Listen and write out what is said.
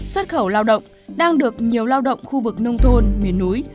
xuất khẩu lao động đang được nhiều lao động khu vực nông thôn miền núi